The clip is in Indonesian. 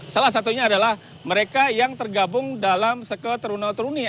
salah satunya adalah mereka yang tergabung dalam seke terunau teruni